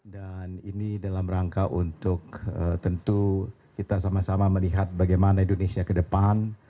dan ini dalam rangka untuk tentu kita sama sama melihat bagaimana indonesia ke depan